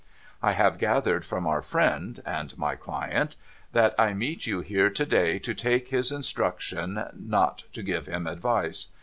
I have gathered from our friend (and my client) that I meet you here to day to take his instructions, not to give him advice.